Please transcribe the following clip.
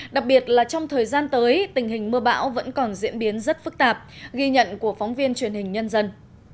đặc biệt là trong thời gian tới tình hình mưa bão vẫn còn diễn biến rất phức tạp ghi nhận của phóng viên truyền hình nhân dân